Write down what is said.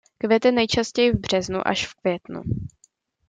Kvete nejčastěji v březnu až v květnu.